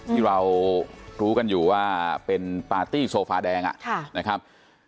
ที่เรารู้กันอยู่ว่าเป็นปาร์ตี้โซฟาแดงนะครับ